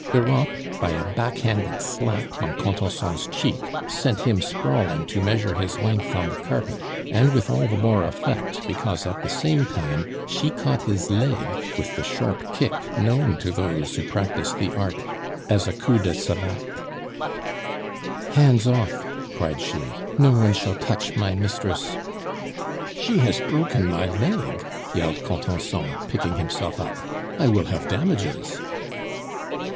Europe, by a back handed slap on Contenson's cheek, sent him sprawling to measure his length on the carpet, and with all the more effect because at the same time she caught his leg with the sharp kick known to those who practise the art as a coup de savate. "Hands off!" cried she. "No one shall touch my mistress." "She has broken my leg!" yelled Contenson, picking himself up; "I will have damages!"